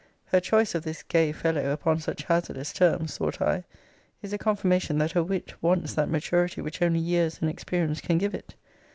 Her choice of this gay fellow, upon such hazardous terms, (thought I,) is a confirmation that her wit wants that maturity which only years and experience can give it.